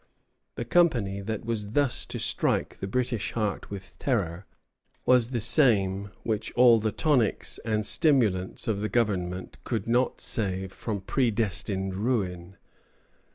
The company that was thus to strike the British heart with terror was the same which all the tonics and stimulants of the government could not save from predestined ruin.